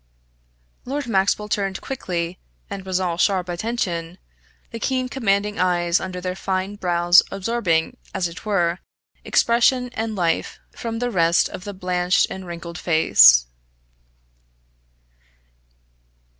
Lord Maxwell turned quickly and was all sharp attention, the keen commanding eyes under their fine brows absorbing, as it were, expression and life from the rest of the blanched and wrinkled face.